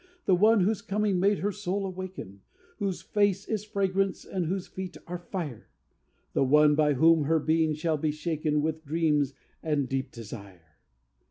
The one whose coming made her soul awaken, Whose face is fragrance and whose feet are fire: The one by whom her being shall be shaken With dreams and deep desire."